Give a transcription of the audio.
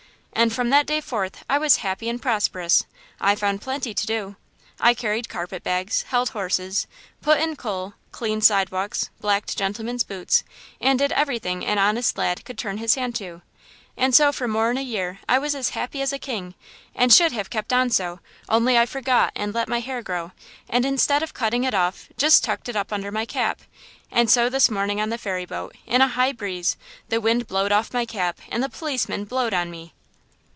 And from that day forth I was happy and prosperous! I found plenty to do! I carried carpet bags, held horses, put in coal, cleaned sidewalks, blacked gentlemen's boots and did everything an honest lad could turn his hand to. And so for more'n a year I was as happy as a king, and should have kept on so, only I forgot and let my hair grow, and instead of cutting it off, just tucked it up under my cap; and so this morning on the ferry boat, in a high breeze, the wind blowed off my cap and the policeman blowed on me!"